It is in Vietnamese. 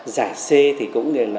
giải c thì cũng nên là